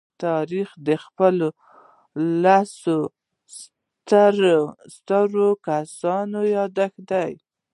تاریخ د خپل ولس د سترو کسانو يادښت دی.